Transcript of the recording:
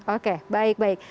oke baik baik